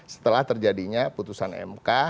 setelah terjadinya putusan mk